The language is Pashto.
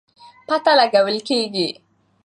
پته لګول کېږي.